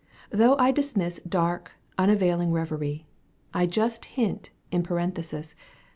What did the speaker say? Though I dismiss Dark, unavailing reverie, I just hint, in parenthesis.